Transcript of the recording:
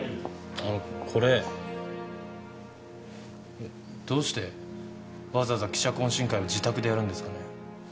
あのこれどうしてわざわざ記者懇親会を自宅でやるんですかね。